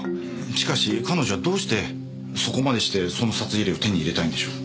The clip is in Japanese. しかし彼女はどうしてそこまでしてその札入れを手に入れたいんでしょう？